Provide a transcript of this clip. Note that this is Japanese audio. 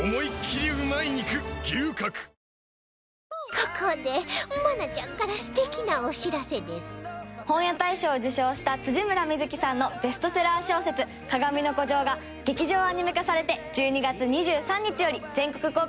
ここで本屋大賞を受賞した村深月さんのベストセラー小説『かがみの孤城』が劇場アニメ化されて１２月２３日より全国公開されます。